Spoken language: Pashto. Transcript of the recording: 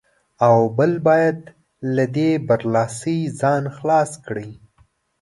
او بل باید له دې برلاسۍ ځان خلاص کړي.